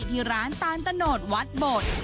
ที่ร้านตานตะโนดวัดบด